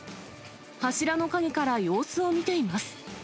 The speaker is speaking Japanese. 柱の陰から様子を見ています。